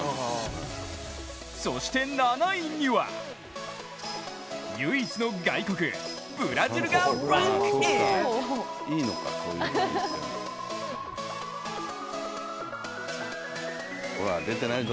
そして、７位には唯一の外国、ブラジルがランクイン！